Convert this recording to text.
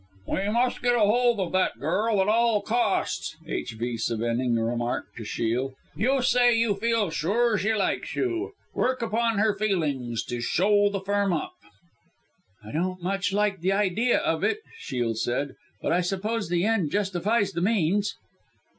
"We must get hold of that girl at all costs," H.V. Sevenning remarked to Shiel. "You say you feel sure she likes you. Work upon her feelings to show the Firm up." "I don't much like the idea of it," Shiel said, "but I suppose the end justifies the means."